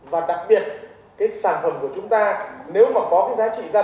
và đặc biệt cái sản phẩm của chúng ta nếu mà có cái giá trị gia tăng thì đấy mới là cái